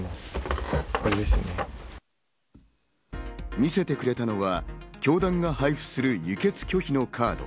見せてくれたのは教団が配布する輸血拒否のカード。